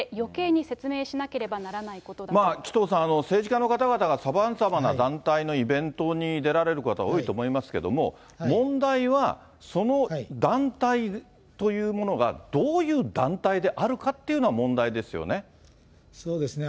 紀藤さん、政治家の方々がさまざまな団体のイベントに出られることは多いと思いますけども、問題は、その団体というものがどういう団体であるかっていうのはそうですね。